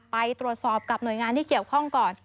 ไปตรวจสอบกับหน่วยงานที่เกี่ยวข้องก่อน